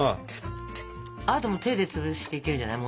あともう手で潰していけるんじゃない。